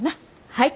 はい！